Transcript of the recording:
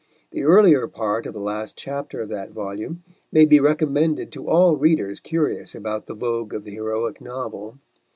The earlier part of the last chapter of that volume may be recommended to all readers curious about the vogue of the heroic novel.